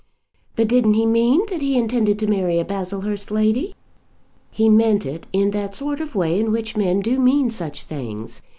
"But didn't he mean that he intended to marry a Baslehurst lady?" "He meant it in that sort of way in which men do mean such things.